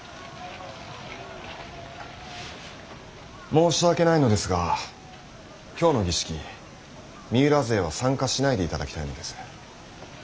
申し訳ないのですが今日の儀式三浦勢は参加しないでいただきたいのです。